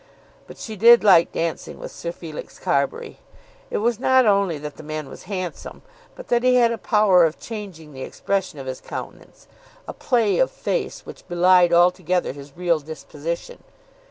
But she did like dancing with Sir Felix Carbury. It was not only that the man was handsome but that he had a power of changing the expression of his countenance, a play of face, which belied altogether his real disposition.